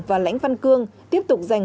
và lãnh văn cương tiếp tục giành